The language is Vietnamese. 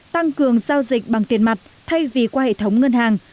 tăng cường giao dịch bằng tiền mặt thay vì qua hệ thống ngân hàng